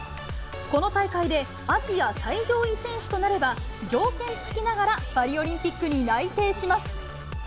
この大会で、アジア最上位選手となれば、条件付きながらパリオリンピックに内定します。